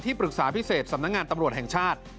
ปรึกษาพิเศษสำนักงานตำรวจแห่งชาติ